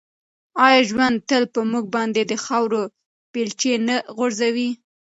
آیا ژوند تل په موږ باندې د خاورو بیلچې نه غورځوي؟